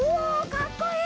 かっこいい！